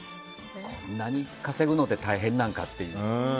こんなに稼ぐのって大変なんかっていう。